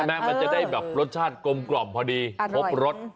ใช่ไหมมันจะได้แบบรสชาติกลมกล่อมพอดีพบรส